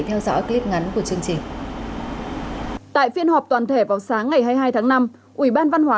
theo dõi clip ngắn của chương trình tại phiên họp toàn thể vào sáng ngày hai mươi hai tháng năm ủy ban văn hóa